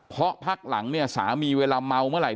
เพราะพักหลังเนี่ยสามีเวลาเมาเมื่อไห